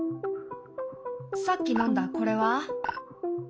さっき飲んだこれは？